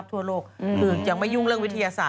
พี่ชอบแซงไหลทางอะเนาะ